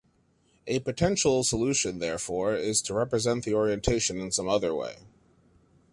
A potential solution therefore is to represent the orientation in some other way.